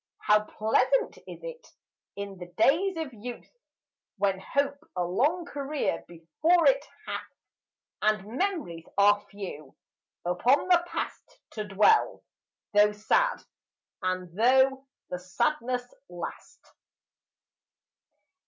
How pleasant is it, in the days of youth, When hope a long career before it hath, And memories are few, upon the past To dwell, though sad, and though the sadness last!